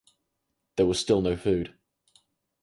There was still no food.